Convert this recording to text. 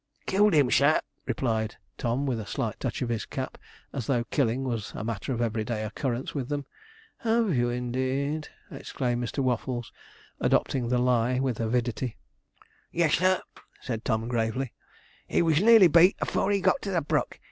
'Killed him, sir,' replied Tom, with a slight touch of his cap, as though 'killing' was a matter of every day occurrence with them. 'Have you, indeed!' exclaimed Mr. Waffles, adopting the lie with avidity. 'Yes, sir,' said Tom gravely; 'he was nearly beat afore he got to the brook.